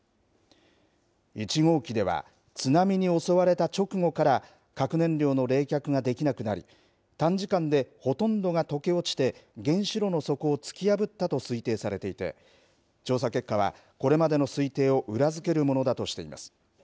１号機では、津波に襲われた直後から核燃料の冷却ができなくなり、短時間でほとんどが溶け落ちて、原子炉の底を突き破ったと推定されていて、調査結果はこれまでの推定を裏付けるものだとしています。